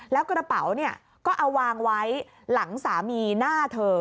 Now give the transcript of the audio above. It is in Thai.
แล้วกระเป๋าเนี่ยก็เอาวางไว้หลังสามีหน้าเธอ